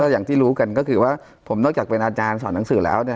อย่างที่รู้กันก็คือว่าผมนอกจากเป็นอาจารย์สอนหนังสือแล้ว